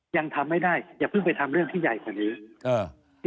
ยังทำไม่ได้อย่าเพิ่งไปทำเรื่องที่ใหญ่กว่านี้